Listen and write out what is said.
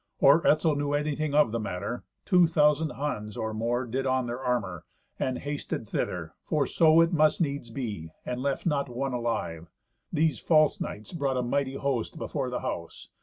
Or Etzel knew anything of the matter, two thousand Huns or more did on their armour and hasted thither, for so it must needs be, and left not one alive. These false knights brought a mighty host before the house.